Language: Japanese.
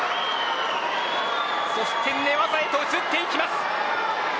そして寝技へと移っていきます。